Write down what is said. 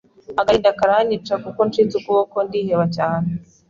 agahinda karanyica kuko ncitse ukuboko ndiheba cyane